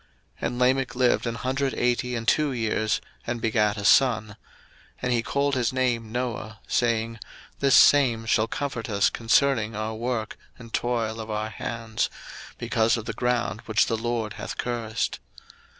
01:005:028 And Lamech lived an hundred eighty and two years, and begat a son: 01:005:029 And he called his name Noah, saying, This same shall comfort us concerning our work and toil of our hands, because of the ground which the LORD hath cursed.